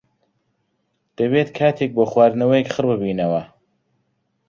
دەبێت کاتێک بۆ خواردنەوەیەک خڕببینەوە.